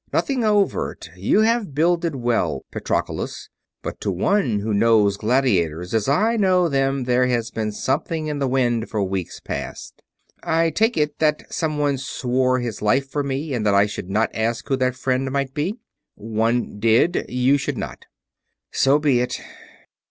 "Nothing overt you have builded well, Patroclus but to one who knows gladiators as I know them there has been something in the wind for weeks past. I take it that someone swore his life for me and that I should not ask who that friend might be." "One did. You should not." "So be it.